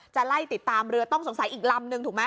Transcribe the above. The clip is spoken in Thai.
จะไล่ติดตามเรือต้องสงสัยอีกลำนึงถูกไหม